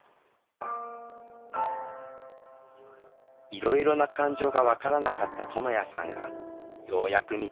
いろいろな感情が分からなかったともやさんがようやく見つけた感情。